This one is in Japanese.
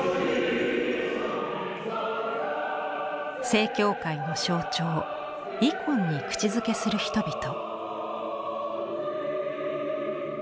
正教会の象徴イコンに口づけする人々。